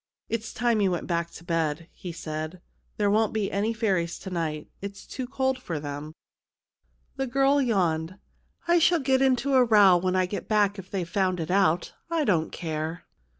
" It's time you went back to bed," he said ;" there won't be any fairies to night. It's too cold for them." CHILDREN OF THE MOON 163 The girl yawned. " I shall get into a row when I get back if they've found it out. I don't care."